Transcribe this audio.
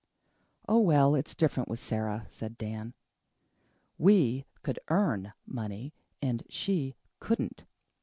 "Oh, well, it's different with Sara," said Dan. "We COULD earn money and she COULDN'T.